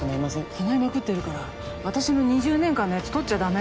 かないまくってるから私の２０年間のやつ取っちゃダメ。